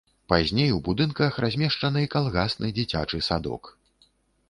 Пазней у будынках размешчаны калгасны дзіцячы садок.